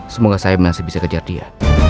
semoga saya masih bisa kejar dia